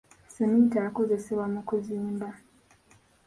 Seminti akozesebwa mu kuzimba.